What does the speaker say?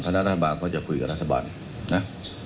รัฐบาลก็จะคุยกับรัฐบาลนะ